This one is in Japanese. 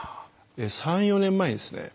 ３４年前にですね